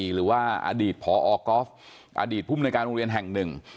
หรือว่าอดีตพอก๊อฟอดีตภูมิในการโรงเรียนแห่งหนึ่ง